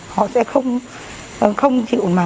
họ sẽ không